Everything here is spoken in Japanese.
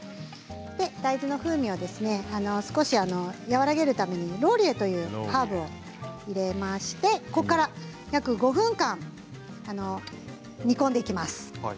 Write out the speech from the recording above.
大豆の風味を少し和らげるようにローリエというハーブを入れましてここから約５分間煮込んでいきます。